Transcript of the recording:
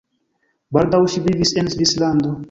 Baldaŭ ŝi vivis en Svislando.